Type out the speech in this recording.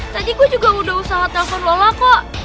tadi gue juga udah usaha telpon lola kok